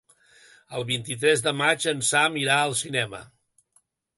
El vint-i-tres de maig en Sam irà al cinema.